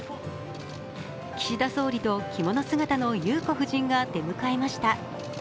岸田総理と着物姿の裕子夫人が出迎えました。